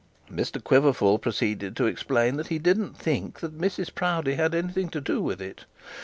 Mr Quiverful proceeded to explain that he didn't think that Mrs Proudie had anything to do with it.